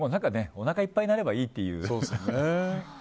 おなかいっぱいになればいいっていう。